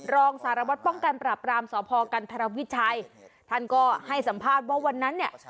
รองสารวัตรป้องกันปราบรามสพกันธรวิชัยท่านก็ให้สัมภาษณ์ว่าวันนั้นเนี่ย